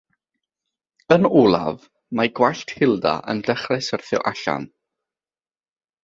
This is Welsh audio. Yn olaf, mae gwallt Hilda yn dechrau syrthio allan.